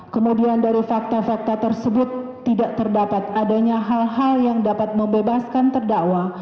kemudian dari fakta fakta tersebut tidak terdapat adanya hal hal yang dapat membebaskan terdakwa